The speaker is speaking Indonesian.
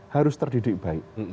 harus terdidik baik